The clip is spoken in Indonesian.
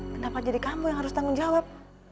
kenapa jadi kamu yang harus tanggung jawab